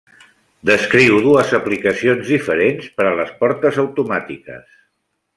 Descriu dues aplicacions diferents per a les portes automàtiques.